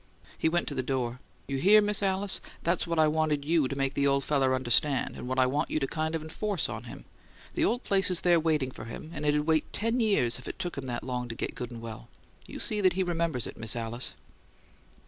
He went to the door. "You hear, Miss Alice? That's what I wanted to make the old feller understand, and what I want you to kind of enforce on him. The old place is there waiting for him, and it'd wait ten years if it took him that long to get good and well. You see that he remembers it, Miss Alice!"